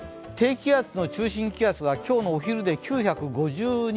低気圧の中心気圧は今日のお昼で９５２ｈＰａ。